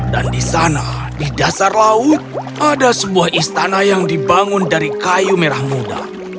dan di sana di dasar laut ada sebuah istana yang dibangun dari kayu merah muda